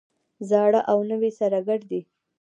زاړه او نوي سره ګډ دي.